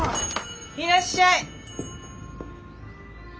いらっしゃい。